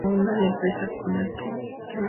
La empresa Canonical Ltd.